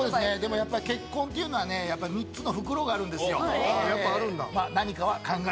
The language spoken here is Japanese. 結婚というのは３つの袋があるんですよ。